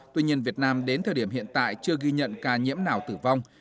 tuy nhiên việt nam đến thời điểm hiện tại chưa ghi nhận ca nhiễm nào tử vong